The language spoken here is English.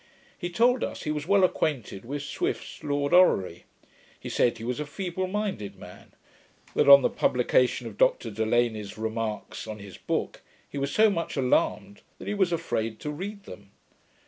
He told us, he was well acquainted with Swift's Lord Orrery. He said, he was a feeble minded man; that, on the publication of Dr Delany's Remarks on his book, he was so much alarmed that he was afraid to read them.